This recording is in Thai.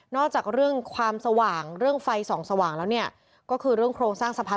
นอกจากเรื่องความสว่างเต็มภายชน์สองสว่างก็คือเรื่องโครงสร้างสะพาน